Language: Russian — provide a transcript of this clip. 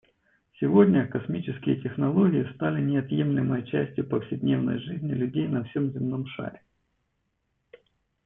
Сегодня космические технологии стали неотъемлемой частью повседневной жизни людей на всем земном шаре.